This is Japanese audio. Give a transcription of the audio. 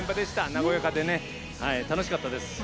和やかで楽しかったです。